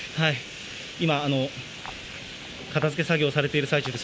今、片づけ作業をされている最中です。